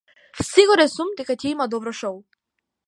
Сигурен сум дека ќе има добро шоу.